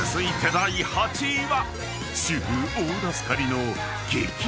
第８位は。